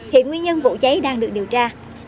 hiện nguyên nhân vụ cháy đang được điều tra